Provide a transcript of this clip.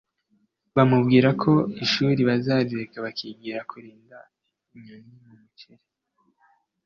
bamubwira ko ishuri bazarireka bakigira kurinda inyoni mu muceri.